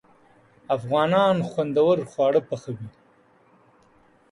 افغانان خوندور خواړه پخوي.